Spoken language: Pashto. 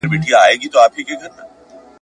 څوک به لیکي پر کیږدیو ترانې د دنګو ښکلیو !.